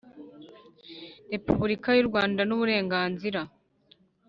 Repubulika y u Rwanda n uburenganzira